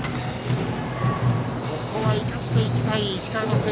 ここは生かしていきたい石川の星稜。